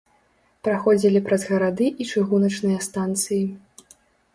Праходзілі праз гарады і чыгуначныя станцыі.